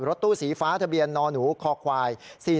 รถตู้สีฟ้าทะเบียนนอนูข้อควาย